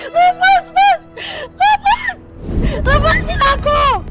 gak akan aku lepasin aku